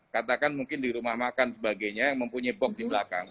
katakan mungkin di rumah makan sebagainya yang mempunyai box di belakang